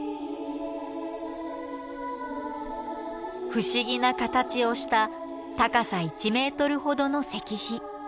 不思議な形をした高さ１ｍほどの石碑。